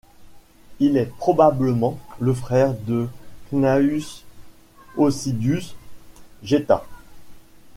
Il est probablement le frère de Cnaeus Hosidius Geta.